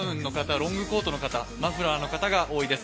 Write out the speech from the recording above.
ロングコートの方、マフラーの方が多いです。